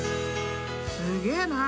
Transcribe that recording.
［すげえな！